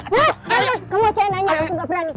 kamu aja yang nanya aku nggak berani